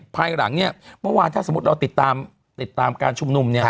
ภายหลังเมื่อวานถ้าสมมติเราติดตามการชุมนุ่ม